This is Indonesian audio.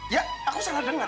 ya aku salah dengar